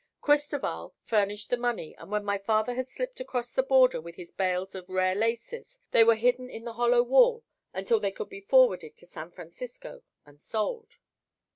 Cristoval furnished the money and when my father had slipped across the border with his bales of rare laces, they were hidden in the hollow wall until they could be forwarded to San Francisco and sold.